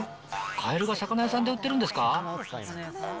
カエルが魚屋さんで売ってるんですか？